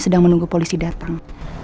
sedang menunggu polisi datang